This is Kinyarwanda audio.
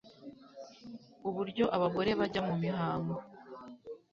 uburyo abagore bajya mumihango